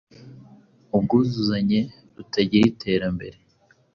ubwuzuzanye, rutagira iterambere.